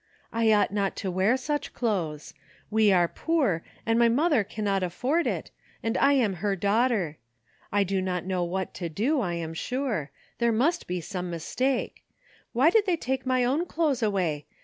'*I ought not to wear such clothes; we are poor, and my mother cannot afford it, and I am her daugh ter. I do not know what to do, I am sure ; there must be some mistake. Why did they take my own clothes away?